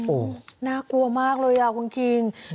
โอ้โหน่ากลัวมากเลยอ่ะคุณคิง